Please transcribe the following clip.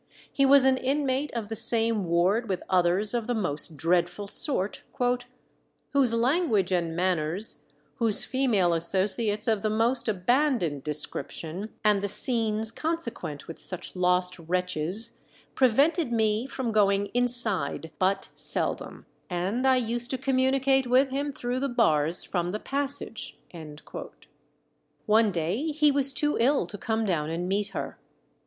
He was an inmate of the same ward with others of the most dreadful sort, "whose language and manners, whose female associates of the most abandoned description, and the scenes consequent with such lost wretches, prevented me from going inside but seldom, and I used to communicate with him through the bars from the passage." One day he was too ill to come down and meet her.